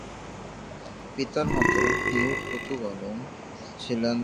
পিতার মত নূর কুতুব আলম ছিলেন চিশতিয়া তরিকার পীর।